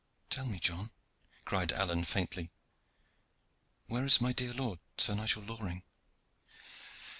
"Tell me, John," cried Alleyne faintly: "where is my dear lord, Sir Nigel Loring?"